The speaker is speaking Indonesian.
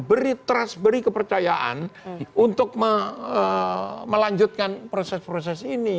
beri trust beri kepercayaan untuk melanjutkan proses proses ini